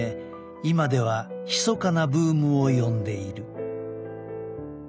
今ではひそかなブームを呼んでいる。